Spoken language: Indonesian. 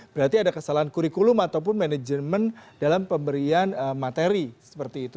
berarti ada kesalahan kurikulum ataupun manajemen dalam pemberian materi seperti itu